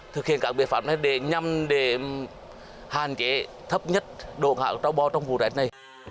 thực hiện các biện pháp này nhằm để hạn chế thấp nhất độ hạ châu bò trong vụ rét này